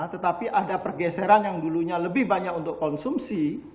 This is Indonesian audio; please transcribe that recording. tetapi ada pergeseran yang dulunya lebih banyak untuk konsumsi